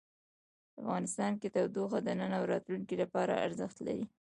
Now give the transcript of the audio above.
افغانستان کې تودوخه د نن او راتلونکي لپاره ارزښت لري.